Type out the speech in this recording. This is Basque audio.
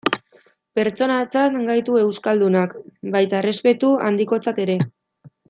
Pertsonatzat gaitu euskaldunak, baita errespetu handikotzat ere.